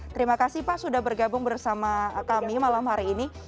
terima kasih pak sudah bergabung bersama kami malam hari ini